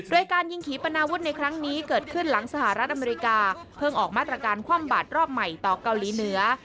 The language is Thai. โดยการยิงขี่ปนาวุฒิในครั้งนี้เกิดขึ้นหลังสหรัฐอเมริกาเพิ่งออกมาตรการคว่ำบาดรอบใหม่ต่อเกาหลีเหนือ